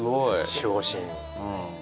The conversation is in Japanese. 守護神。